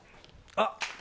あっ！